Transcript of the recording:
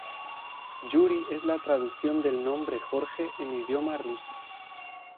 Yuri es la traducción del nombre Jorge en idioma ruso.